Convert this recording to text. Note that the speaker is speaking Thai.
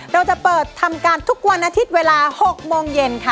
เราจะเปิดทำการทุกวันอาทิตย์เวลา๖โมงเย็นค่ะ